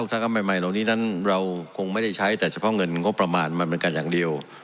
กรรมใหม่เหล่านี้นั้นเราคงไม่ได้ใช้แต่เฉพาะเงินงบประมาณมาเหมือนกันอย่างเดียว